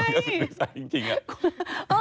มันก็สุดวิสัยจริงอะ